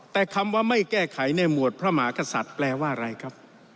แต่คำว่าไม่แก้ไขในหมวดพระมหากษัตริย์แปลว่าอะไรครับ